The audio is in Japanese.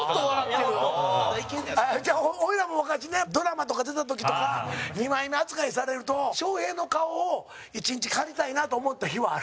さんま：ちゃう、おいらも昔ねドラマとか出た時とか二枚目扱いされると、笑瓶の顔を１日借りたいなと思った日はある。